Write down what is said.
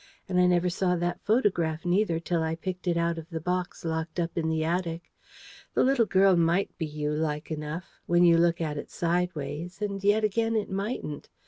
And I never saw that photograph, neither, till I picked it out of the box locked up in the attic. The little girl might be you, like enough, when you look at it sideways; and yet again it mightn't.